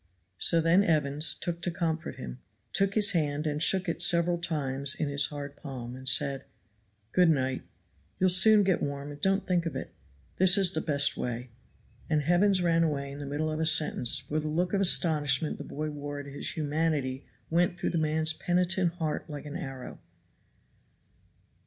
So then Evans, to comfort him, took his hand and shook it several times in his hard palm, and said: "Good night. You'll soon get warm, and don't think of it that is the best way;" and Evans ran away in the middle of a sentence, for the look of astonishment the boy wore at his humanity went through the man's penitent heart like an arrow.